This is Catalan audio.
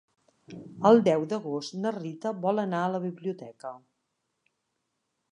El deu d'agost na Rita vol anar a la biblioteca.